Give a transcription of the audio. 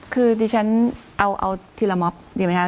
คือดิฉันเอาทีละม็อบดีไหมคะ